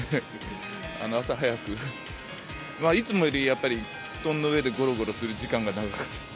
朝早く、いつもより早く布団の上でごろごろする時間が長かった。